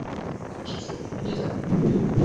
Aliishi hasa kwa kutumia njia ya kuwinda